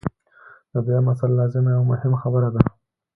د دویم اصل لازمه یوه مهمه خبره ده.